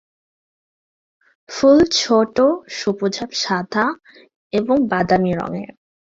ফুল ছোট সবুজাভ সাদা এবং বাদামী রঙের।